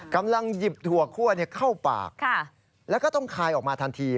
กำลังหยิบถั่วคั่วเข้าปากแล้วก็ต้องคายออกมาทันที